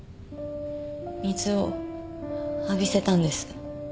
水を浴びせたんです。